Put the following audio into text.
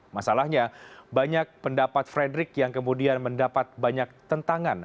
masalahnya banyak pendapat frederick yang kemudian mendapat banyak tentangan